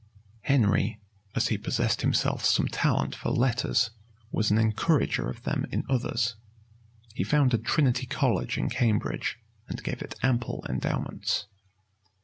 [] Henry, as he possessed himself some talent for letters, was an encourager of them in others. He founded Trinity College in Cambridge, and gave it ample endowments.